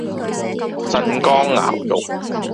鎮江肴肉